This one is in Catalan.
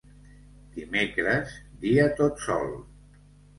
Dimecres, dia tot sol.